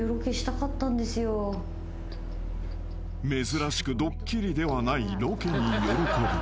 ［珍しくドッキリではないロケに喜ぶ］